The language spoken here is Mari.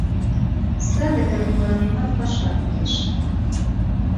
Садыгак мыланемат паша кодеш.